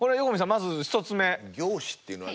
まず１つ目。